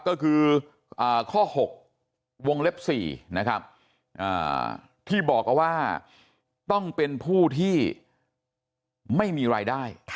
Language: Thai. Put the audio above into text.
ก็คือข้อ๖วงเล็บ๔นะครับที่บอกเอาว่าต้องเป็นผู้ที่ไม่มีรายได้